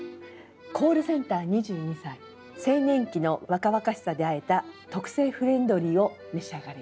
「コールセンター２２歳青年期の若々しさで和えた特製フレンドリーを召し上がれ」。